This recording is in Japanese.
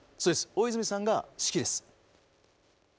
大泉さんが指揮です。